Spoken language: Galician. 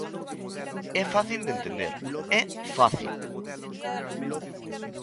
É fácil de entender, é fácil.